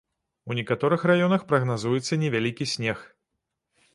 У некаторых раёнах прагназуецца невялікі снег.